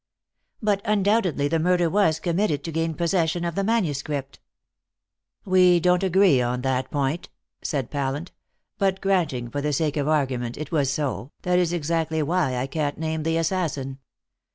"But undoubtedly the murder was committed to gain possession of the manuscript." "We don't agree on that point," said Pallant; "but granting for the sake of argument it was so, that is exactly why I can't name the assassin.